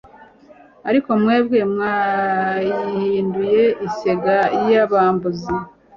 Ariko mwebwe mwayihinduye isenga y'abambuzi."